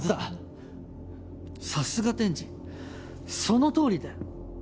さすが天智そのとおりだよ。